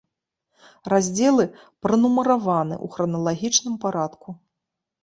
Раздзелы пранумараваны ў храналагічным парадку.